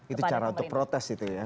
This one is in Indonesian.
itu cara untuk protes itu ya